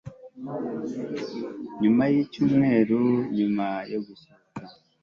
nyuma y'icyumweru nyuma yo gusohoka